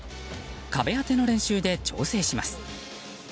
壁当ての練習で調整します。